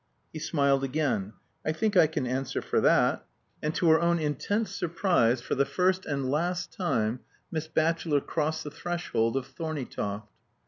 He smiled again. "I think I can answer for that." And to her own intense surprise, for the first and last time Miss Batchelor crossed the threshold of Thorneytoft.